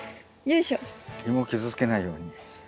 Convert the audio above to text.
イモを傷つけないように。